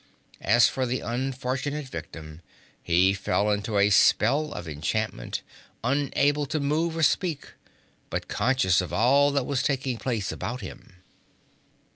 As for the unfortunate victim, he fell into a spell of enchantment, unable to move or speak, but conscious of all that was taking place about him.